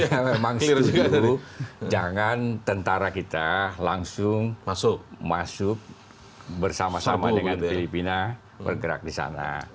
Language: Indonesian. karena memang setuju jangan tentara kita langsung masuk bersama sama dengan filipina bergerak di sana